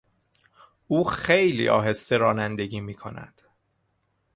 او خیلی آهسته رانندگی میکند.